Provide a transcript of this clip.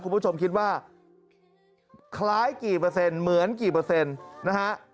คุณผู้ชมคิดว่าคล้ายกี่เปอร์เซ็นต์เหมือนกี่เปอร์เซ็นต์นะฮะ